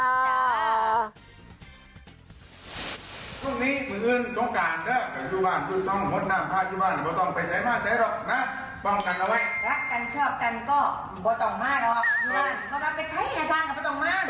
สายแมกหนูอย่าลืมใส่แมกหนูอย่าออกจากบ้านแล้วก็ใส่แมกหนู